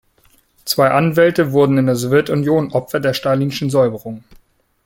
Zwei Anwälte wurden in der Sowjetunion Opfer der stalinschen Säuberungen.